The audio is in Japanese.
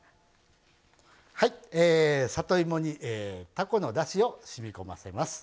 里芋に、たこのだしをしみこませます。